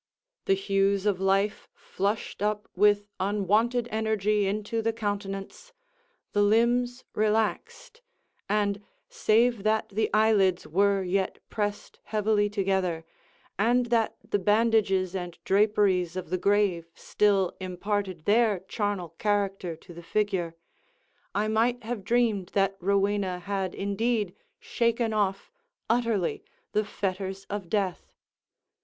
The hues of life flushed up with unwonted energy into the countenance—the limbs relaxed—and, save that the eyelids were yet pressed heavily together, and that the bandages and draperies of the grave still imparted their charnel character to the figure, I might have dreamed that Rowena had indeed shaken off, utterly, the fetters of Death.